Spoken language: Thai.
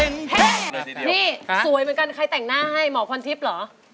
นี่สวยเหมือนกันใครแต่งหน้าให้หมอพรทิพย์เหรอ